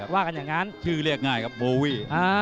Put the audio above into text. ว่ากันอย่างนั้นชื่อเรียกง่ายครับโบวี่